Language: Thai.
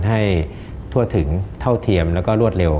ให้ทั่วถึงเท่าเทียมแล้วก็รวดเร็ว